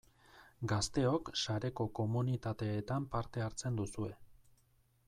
Gazteok sareko komunitateetan parte hartzen duzue.